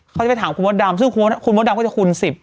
เขาจะไปถามคุณมดดำซึ่งคุณมดดำก็จะคูณ๑๐